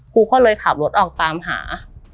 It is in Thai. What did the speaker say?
ครูก็เลยขับรถออกตามหา